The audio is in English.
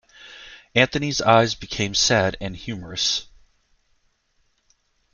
Anthony's eyes became sad and humorous.